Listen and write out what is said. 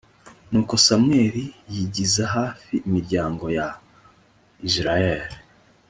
nuko samweli yigiza hafi imiryango ya isirayeli